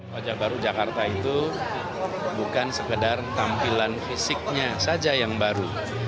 wajah baru jakarta itu bukan sekedar tampilan fisiknya saja yang baru